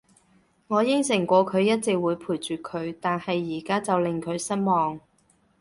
我應承過佢會一直陪住佢，但係而家就令佢失望